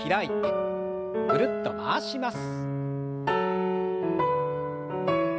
ぐるっと回します。